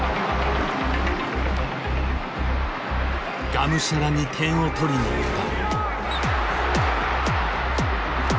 がむしゃらに点を取りにいった。